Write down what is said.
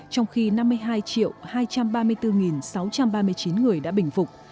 trong khi năm mươi hai hai trăm ba mươi bốn sáu trăm ba mươi chín người đã bình phục